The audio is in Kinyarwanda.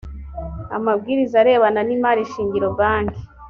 amabwiriza arebana n imari shingiro banki